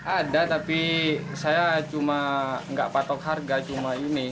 ada tapi saya cuma nggak patok harga cuma ini